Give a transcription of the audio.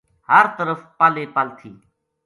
ہر طرف پل ہی پل تھی